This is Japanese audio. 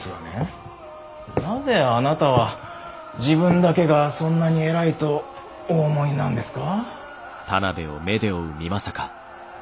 なぜあなたは自分だけがそんなに偉いとお思いなんですか？